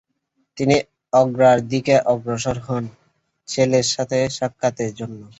তিনি আগ্রার দিকে অগ্রসর হন ছেলের সাথে সাক্ষাতের জন্য।